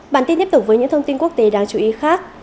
bản tin tiếp tục với những thông tin quốc tế đáng chú ý khác